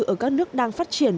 ở các nước đang phát triển